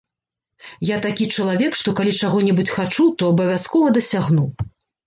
Я такі чалавек, што калі чаго-небудзь хачу, то абавязкова дасягну.